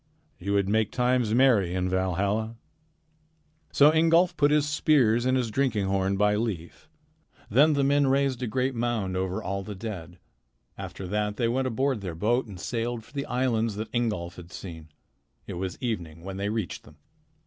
You would make times merry in Valhalla." So Ingolf put his spears and his drinking horn by Leif. Then the men raised a great mound over all the dead. After that they went aboard their boat and sailed for the islands that Ingolf had seen. It was evening when they reached them.